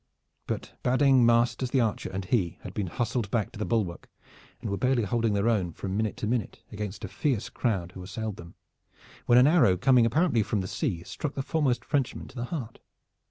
But Badding, Masters the archer and he had been hustled back to the bulwark and were barely holding their own from minute to minute against the fierce crowd who assailed them, when an arrow coming apparently from the sea struck the foremost Frenchman to the heart.